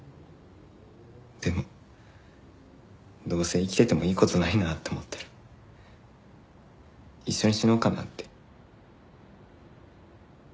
でもどうせ生きててもいい事ないなって思ったら一緒に死のうかなって。